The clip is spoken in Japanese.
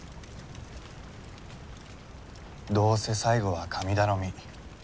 どうせ最後は神頼み。